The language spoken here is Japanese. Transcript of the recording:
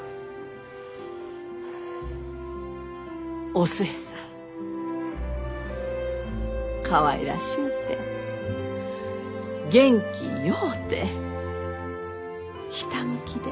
お寿恵さんかわいらしゅうて元気ようてひたむきで。